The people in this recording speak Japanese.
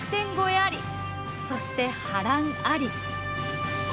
ありそして波乱あり。